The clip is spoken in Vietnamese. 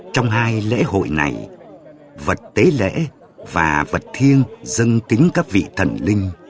trong hai lễ hội này vật tế lễ và vật thiêng tính các vị thần linh